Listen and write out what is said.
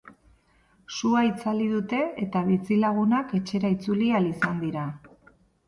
Sua itzali dute eta bizilagunak etxera itzuli ahal izan dira.